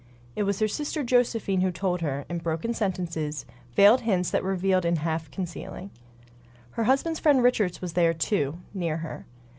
It was her sister Josephine who told her, in broken sentences; veiled hints that revealed in half concealing. Her husband's friend Richards was there, too, near her.